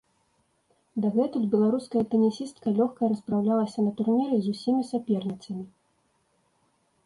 Дагэтуль беларуская тэнісістка лёгка распраўлялася на турніры з усімі саперніцамі.